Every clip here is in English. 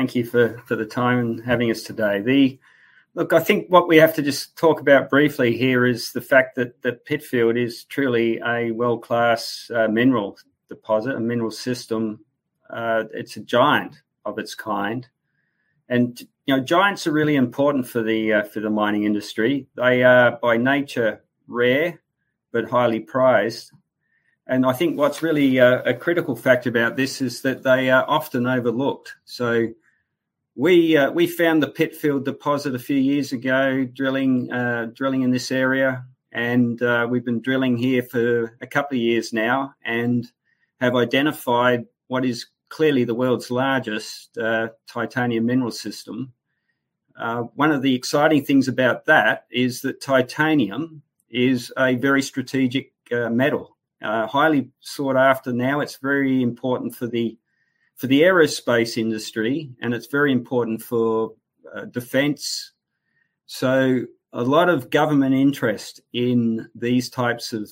Thank you for the time and having us today. Look, I think what we have to just talk about briefly here is the fact that Pitfield is truly a world-class mineral deposit, a mineral system. It's a giant of its kind. Giants are really important for the mining industry. They are by nature rare but highly prized. I think what's really a critical fact about this is that they are often overlooked. We found the Pitfield deposit a few years ago, drilling in this area, and we've been drilling here for a couple of years now and have identified what is clearly the world's largest titanium mineral system. One of the exciting things about that is that titanium is a very strategic metal. Highly sought after now. It's very important for the aerospace industry, and it's very important for defense. A lot of government interest in these types of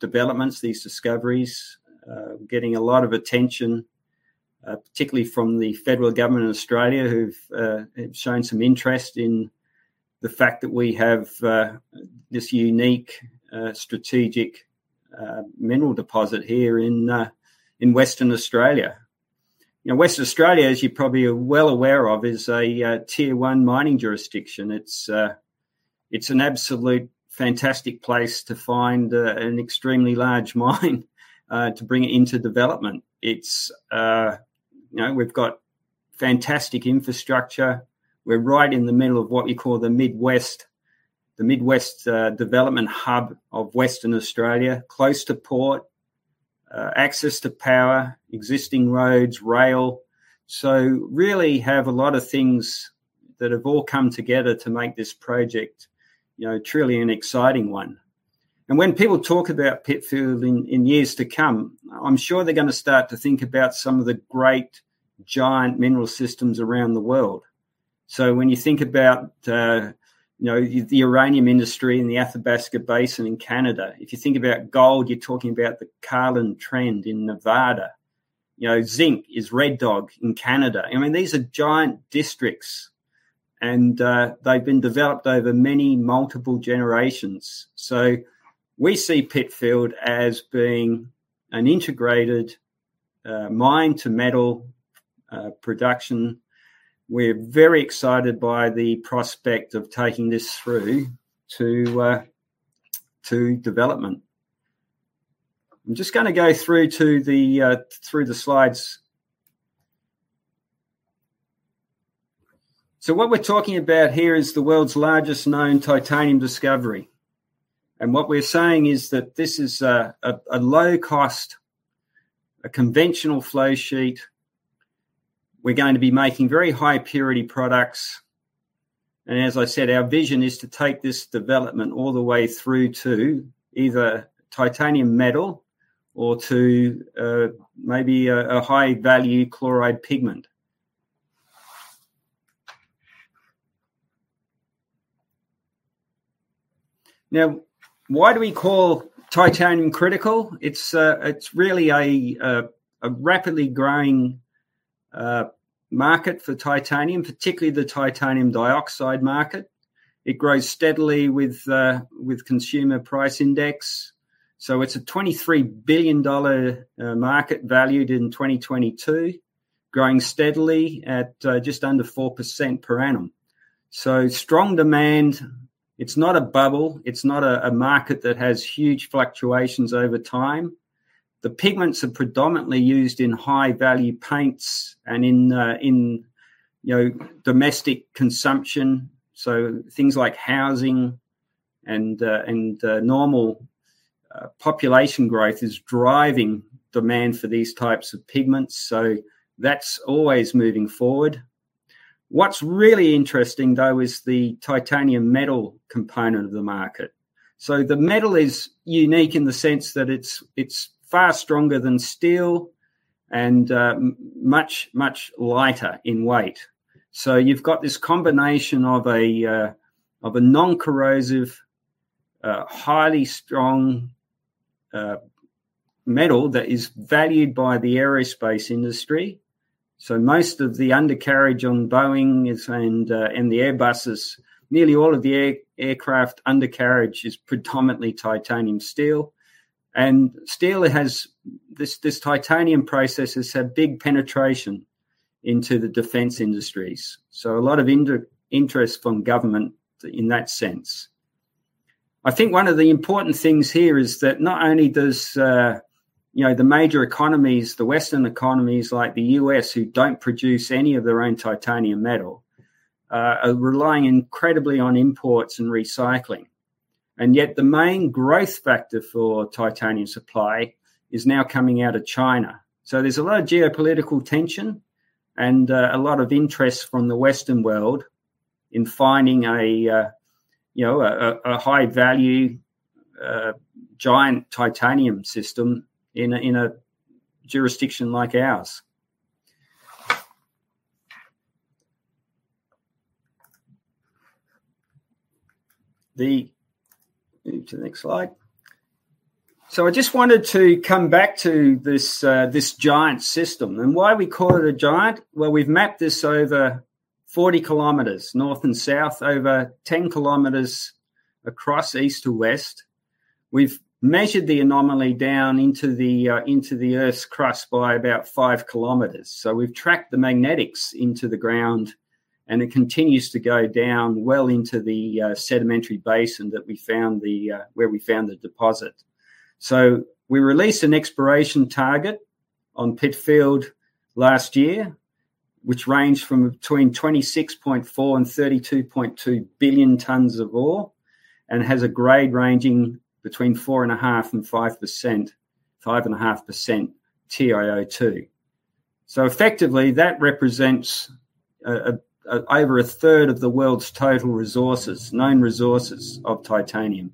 developments, these discoveries getting a lot of attention, particularly from the federal government of Australia, who've shown some interest in the fact that we have this unique strategic mineral deposit here in Western Australia. Western Australia, as you probably are well aware of, is a Tier One mining jurisdiction. It's absolutely fantastic place to find an extremely large mine to bring into development. We've got fantastic infrastructure. We're right in the middle of what you call the Midwest development hub of Western Australia, close to port, access to power, existing roads, rail. We really have a lot of things that have all come together to make this project truly an exciting one. When people talk about Pitfield in years to come, I'm sure they're going to start to think about some of the great giant mineral systems around the world. When you think about the uranium industry in the Athabasca Basin in Canada. If you think about gold, you're talking about the Carlin Trend in Nevada. Zinc is Red Dog in Canada. These are giant districts, and they've been developed over many multiple generations. We see Pitfield as being an integrated mine to metal production. We're very excited by the prospect of taking this through to development. I'm just going to go through the slides. What we're talking about here is the world's largest known titanium discovery. What we're saying is that this is a low cost, a conventional flow sheet. We're going to be making very high purity products. As I said, our vision is to take this development all the way through to either titanium metal or to maybe a high-value chloride pigment. Now, why do we call titanium critical? It's really a rapidly growing market for titanium, particularly the titanium dioxide market. It grows steadily with consumer price index. It's a $23 billion market valued in 2022, growing steadily at just under 4% per annum. Strong demand. It's not a bubble. It's not a market that has huge fluctuations over time. The pigments are predominantly used in high-value paints and in domestic consumption. Things like housing and normal population growth is driving demand for these types of pigments. That's always moving forward. What's really interesting, though, is the titanium metal component of the market. The metal is unique in the sense that it's far stronger than steel and much, much lighter in weight. You've got this combination of a non-corrosive, highly strong metal that is valued by the aerospace industry. Most of the undercarriage on Boeing and the Airbus, nearly all of the aircraft undercarriage is predominantly titanium steel. This titanium process has had big penetration into the defense industries. A lot of interest from government in that sense. I think one of the important things here is that not only does the major economies, the Western economies like the U.S., who don't produce any of their own titanium metal, are relying incredibly on imports and recycling. Yet the main growth factor for titanium supply is now coming out of China. There's a lot of geopolitical tension and a lot of interest from the Western world in finding a high-value, giant titanium system in a jurisdiction like ours. Move to the next slide. I just wanted to come back to this giant system and why we call it a giant. Well, we've mapped this over 40 km north and south, over 10 km across east to west. We've measured the anomaly down into the Earth's crust by about 5 km. We've tracked the magnetics into the ground, and it continues to go down well into the sedimentary basin where we found the deposit. We released an exploration target on Pitfield last year, which ranged from between 26.4 billion tons and 32.2 billion tons of ore, and has a grade ranging between 4.5% and 5.5% TiO2. Effectively, that represents over a third of the world's total known resources of titanium.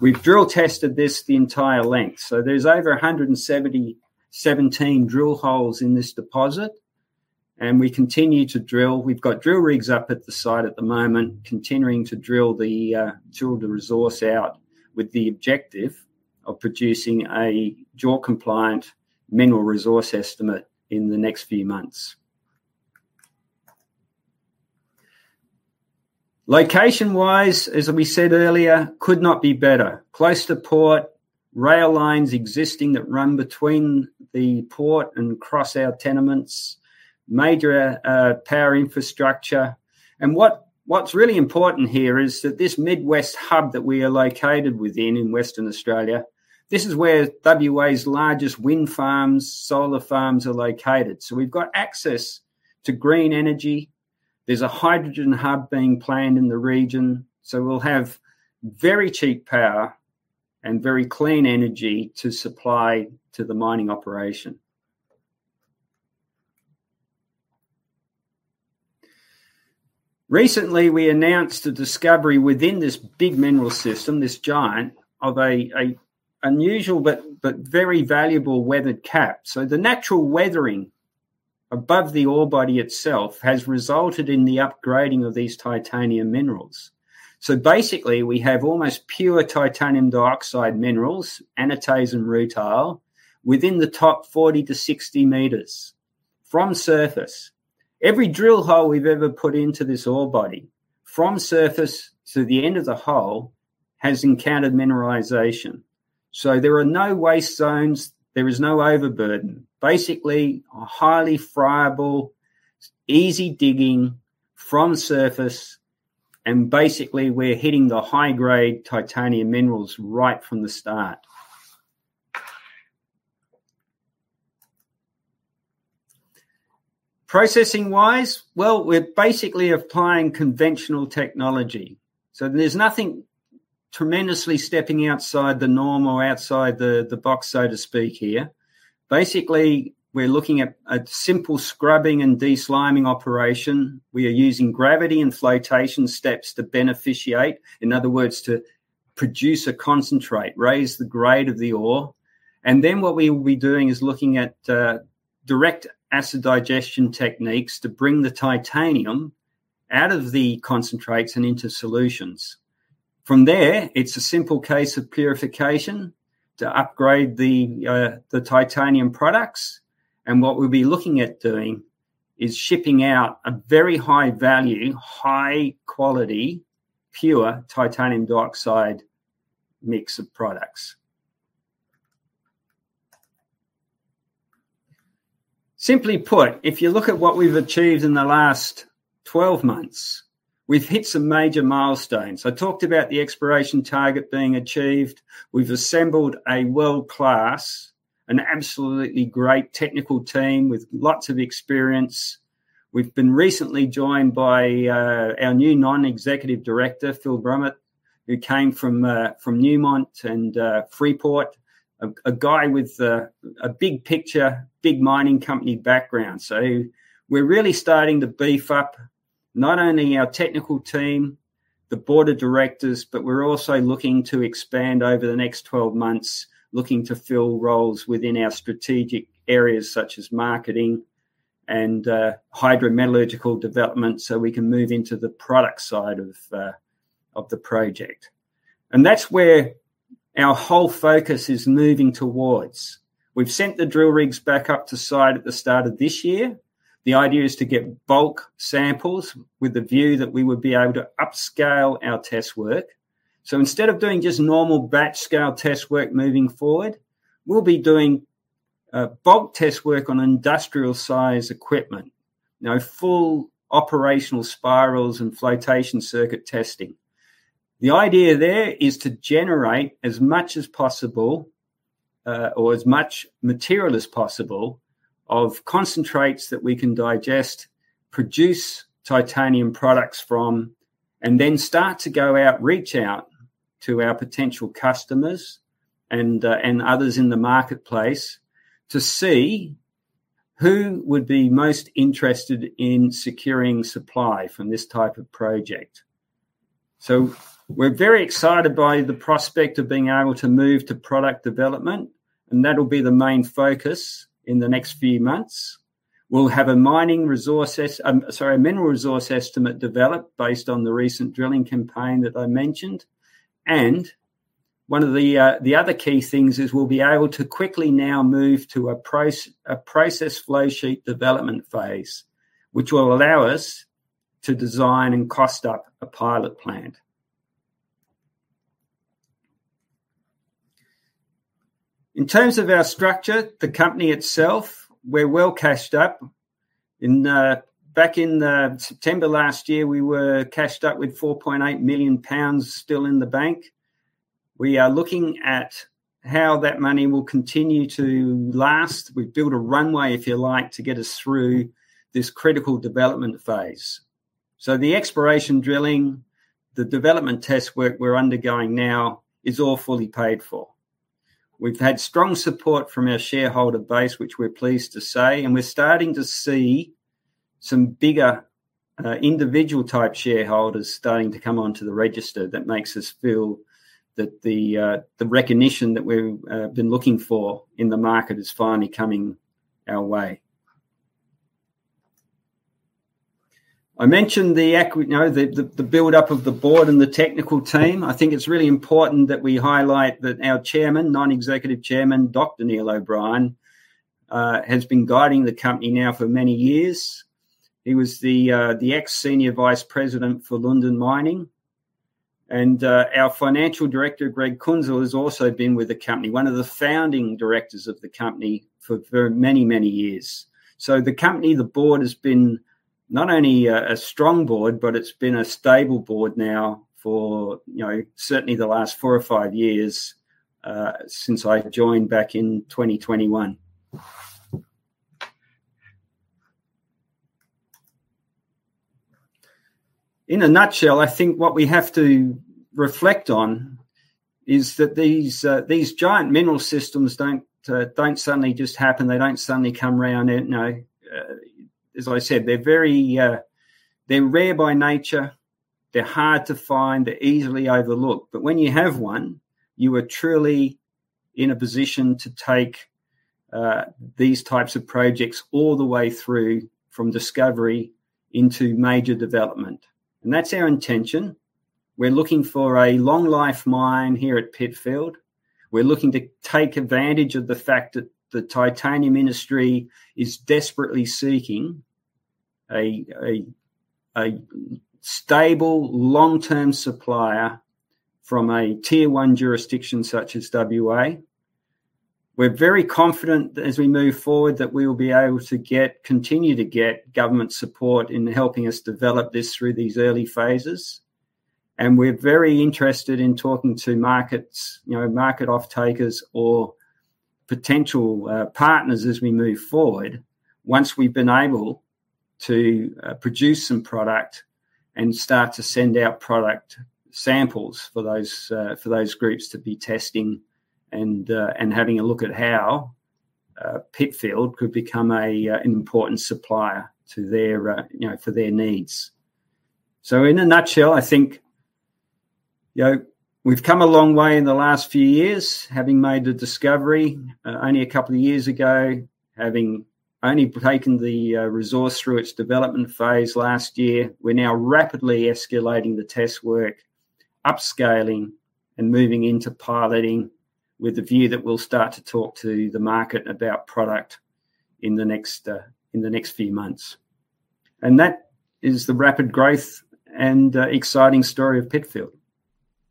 We've drill tested this the entire length, so there's over 117 drill holes in this deposit. We continue to drill. We've got drill rigs up at the site at the moment, continuing to drill the resource out with the objective of producing a JORC-compliant mineral resource estimate in the next few months. Location-wise, as we said earlier, could not be better. Close to port, rail lines existing that run between the port and cross our tenements, major power infrastructure. What's really important here is that this Midwest hub that we are located within in Western Australia, this is where WA's largest wind farms, solar farms are located. We've got access to green energy. There's a hydrogen hub being planned in the region. We'll have very cheap power and very clean energy to supply to the mining operation. Recently, we announced a discovery within this big mineral system, this giant, of an unusual but very valuable weathered cap. The natural weathering above the ore body itself has resulted in the upgrading of these titanium minerals. Basically, we have almost pure titanium dioxide minerals, anatase and rutile, within the top 40 m-60 m from surface. Every drill hole we've ever put into this ore body, from surface to the end of the hole, has encountered mineralization. There are no waste zones. There is no overburden. Basically, a highly friable, easy digging from surface, and basically, we're hitting the high-grade titanium minerals right from the start. Processing-wise, well, we're basically applying conventional technology. There's nothing tremendously stepping outside the norm or outside the box, so to speak here. Basically, we're looking at a simple scrubbing and desliming operation. We are using gravity and flotation steps to beneficiate, in other words, to produce a concentrate, raise the grade of the ore. What we will be doing is looking at direct acid digestion techniques to bring the titanium out of the concentrates and into solutions. From there, it's a simple case of purification to upgrade the titanium products. What we'll be looking at doing is shipping out a very high value, high quality, pure titanium dioxide mix of products. Simply put, if you look at what we've achieved in the last 12 months, we've hit some major milestones. I talked about the Exploration Target being achieved. We've assembled a world-class and absolutely great technical team with lots of experience. We've been recently joined by our new Non-Executive Director, Phillip Brumit, who came from Newmont and Freeport-McMoRan, a guy with a big picture, big mining company background. We're really starting to beef up not only our technical team, the board of directors, but we're also looking to expand over the next 12 months, looking to fill roles within our strategic areas such as marketing and hydrometallurgical development, so we can move into the product side of the project. That's where our whole focus is moving towards. We've sent the drill rigs back up to site at the start of this year. The idea is to get bulk samples with the view that we would be able to upscale our test work. Instead of doing just normal batch scale test work moving forward, we'll be doing bulk test work on industrial size equipment. Now full operational spirals and flotation circuit testing. The idea there is to generate as much as possible, or as much material as possible of concentrates that we can digest, produce titanium products from, and then start to go out, reach out to our potential customers and others in the marketplace to see who would be most interested in securing supply from this type of project. We're very excited by the prospect of being able to move to product development, and that'll be the main focus in the next few months. We'll have a Mineral Resource estimate developed based on the recent drilling campaign that I mentioned. One of the other key things is we'll be able to quickly now move to a process flow sheet development phase, which will allow us to design and cost up a pilot plant. In terms of our structure, the company itself, we're well cashed up. Back in September last year, we were cashed up with AUD 4.8 million still in the bank. We are looking at how that money will continue to last. We've built a runway, if you like, to get us through this critical development phase. The exploration drilling, the development test work we're undergoing now is all fully paid for. We've had strong support from our shareholder base, which we're pleased to say, and we're starting to see some bigger, individual-type shareholders starting to come onto the register. That makes us feel that the recognition that we've been looking for in the market is finally coming our way. I mentioned the buildup of the board and the technical team. I think it's really important that we highlight that our Non-Executive Chairman, Dr. Neil O'Brien, has been guiding the company now for many years. He was the ex-senior vice president for Lundin Mining. Our Financial Director, Gregory Kuenzel, has also been with the company, one of the founding directors of the company for very many years. The company, the board has been not only a strong board, but it's been a stable board now for certainly the last four or five years, since I joined back in 2021. In a nutshell, I think what we have to reflect on is that these giant mineral systems don't suddenly just happen. They don't suddenly come around. As I said, they're rare by nature, they're hard to find, they're easily overlooked. But when you have one, you are truly in a position to take these types of projects all the way through, from discovery into major development. That's our intention. We're looking for a long-life mine here at Pitfield. We're looking to take advantage of the fact that the titanium industry is desperately seeking a stable long-term supplier from a tier one jurisdiction such as WA. We're very confident as we move forward that we will be able to continue to get government support in helping us develop this through these early phases. We're very interested in talking to market off-takers or potential partners as we move forward, once we've been able to produce some product and start to send out product samples for those groups to be testing and having a look at how Pitfield could become an important supplier for their needs. In a nutshell, I think we've come a long way in the last few years, having made the discovery only a couple of years ago, having only taken the resource through its development phase last year. We're now rapidly escalating the test work, upscaling and moving into piloting with the view that we'll start to talk to the market about product in the next few months. That is the rapid growth and exciting story of Pitfield.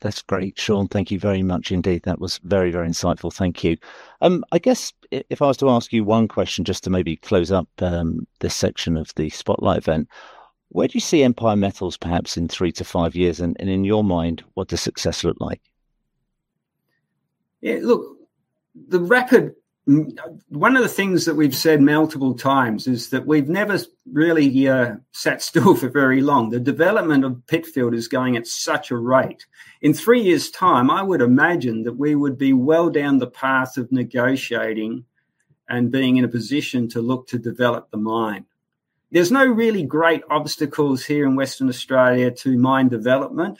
That's great, Shaun. Thank you very much indeed. That was very, very insightful. Thank you. I guess if I was to ask you one question, just to maybe close up this section of the spotlight event, where do you see Empire Metals perhaps in three to five years? In your mind, what does success look like? Yeah, look, one of the things that we've said multiple times is that we've never really sat still for very long. The development of Pitfield is going at such a rate. In three years' time, I would imagine that we would be well down the path of negotiating and being in a position to look to develop the mine. There's no really great obstacles here in Western Australia to mine development.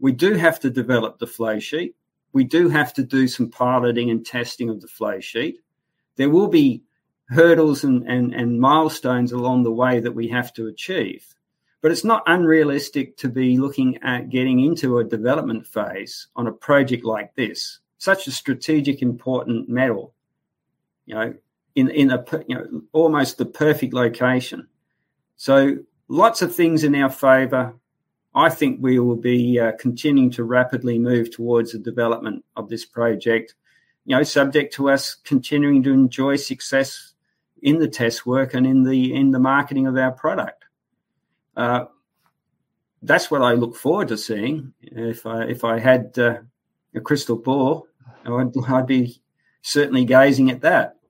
We do have to develop the flow sheet. We do have to do some piloting and testing of the flow sheet. There will be hurdles and milestones along the way that we have to achieve. It's not unrealistic to be looking at getting into a development phase on a project like this. Such a strategic, important metal in almost the perfect location. Lots of things in our favor. I think we will be continuing to rapidly move towards the development of this project, subject to us continuing to enjoy success in the test work and in the marketing of our product. That's what I look forward to seeing. If I had a crystal ball, I'd be certainly gazing at that.